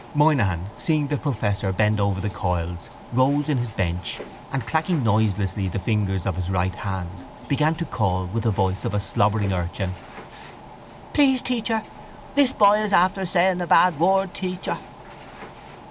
Moynihan, seeing the professor bend over the coils, rose in his bench and, clacking noiselessly the fingers of his right hand, began to call with the voice of a slobbering urchin: —Please teacher! This boy is after saying a bad word, teacher.